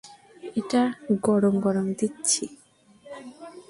এটা গরম গরম দিচ্ছি।